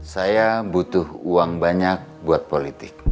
saya butuh uang banyak buat politik